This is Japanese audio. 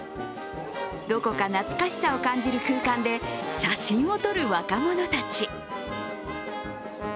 どこか懐かしさを感じる空間で写真を撮る若者たち。